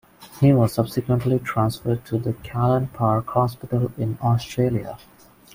He was subsequently transferred to the Callan Park Hospital in Australia.